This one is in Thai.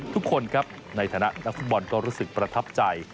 ทุกคนครับในฐานะนักฟุตบอลก็รู้สึกประทับใจ